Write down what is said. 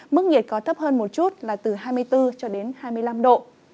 mức nhiệt có thấp hơn một chút là từ hai mươi bốn hai mươi năm độ